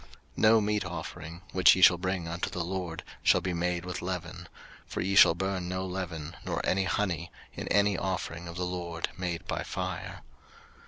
03:002:011 No meat offering, which ye shall bring unto the LORD, shall be made with leaven: for ye shall burn no leaven, nor any honey, in any offering of the LORD made by fire.